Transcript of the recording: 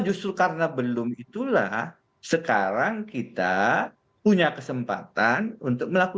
justru karena belum itulah sekarang kita punya kesempatan untuk melakukan